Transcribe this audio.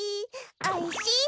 おいしイ。